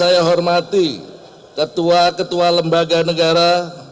saya hormati ketua ketua lembaga negara